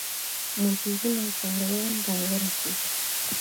موټرونو کاروان را ورسېد.